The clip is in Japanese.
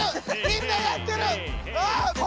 みんなやってる！